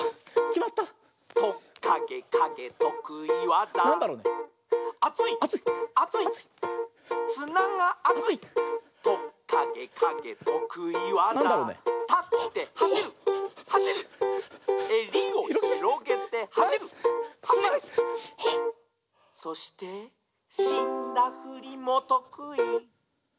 「トッカゲカゲとくいわざ」「アツいっアツいっすながあつい」「トッカゲカゲとくいわざ」「たってはしるはしる」「えりをひろげてはしるはしる」「そしてしんだふりもとくい」